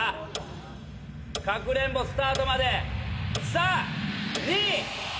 かくれんぼスタートまで。